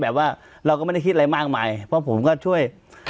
แต่ว่าเราก็ไม่ได้คิดอะไรมากมายเพราะผมก็ช่วย